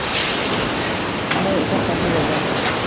Tinmay o’tar katta yo’lda